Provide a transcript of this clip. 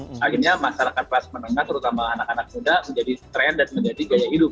akhirnya masyarakat kelas menengah terutama anak anak muda menjadi tren dan menjadi gaya hidup